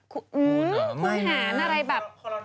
คุณสาหรรรย์อะไรแบบ